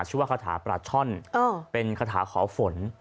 ว่าคาถาปลาช่อนเป็นคาถาขอฝน